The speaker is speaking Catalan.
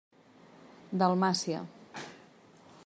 Dalmàcia.